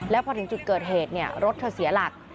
แล้วพอถึงจุดเกิดเหตุรถเธอเสียหลัก